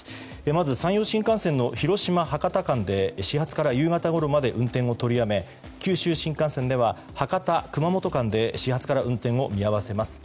まず、山陽新幹線の広島博多間で始発から夕方ごろまで運転を取りやめ九州新幹線では博多熊本間で始発から運転を見合わせます。